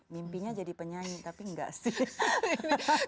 mimpinya jadi penyanyi tapi enggak sih